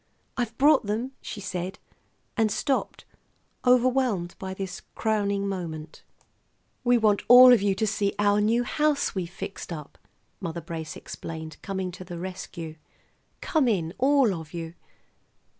"I've brought them," she said, and stopped, overwhelmed by this crowning moment. "We want you to see our new house we've fixed up," Mother Brace explained, coming to the rescue. "Come in, all of you."